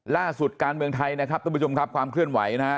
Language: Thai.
ล่าสุดการเมืองไทยนะครับทุกผู้ชมครับความเคลื่อนไหวนะฮะ